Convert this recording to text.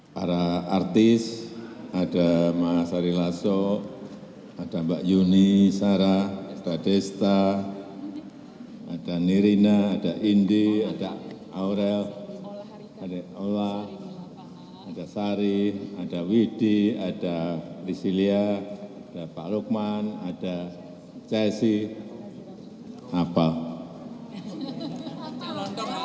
para artis ada ma sari lasso ada mbak yuni sarah sada desta ada nirina ada indi ada aurel ada ola ada sari ada widhi ada rizilia ada pak lukman ada cesi hafal